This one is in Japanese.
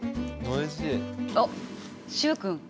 おっ習君！